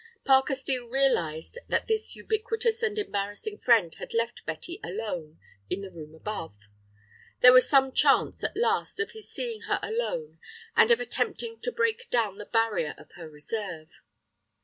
Parker Steel realized that this ubiquitous and embarrassing friend had left Betty alone in the room above. There was some chance at last of his seeing her alone, and of attempting to break down the barrier of her reserve.